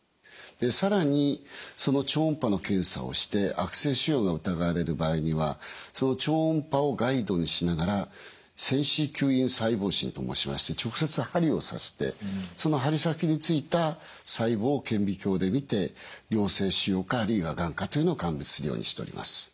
更にその超音波の検査をして悪性腫瘍が疑われる場合にはその超音波をガイドにしながら穿刺吸引細胞診と申しまして直接針を刺してその針先についた細胞を顕微鏡で見て良性腫瘍かあるいはがんかというのを鑑別するようにしております。